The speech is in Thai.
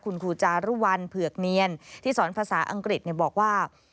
คุณครูจารุวัลเผือกเนียนที่สอนภาษาอังกฤษบอกว่า